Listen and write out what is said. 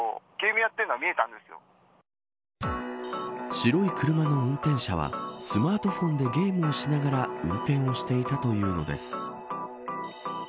白い車の運転者はスマートフォンでゲームをしながら運転をしていたというのです。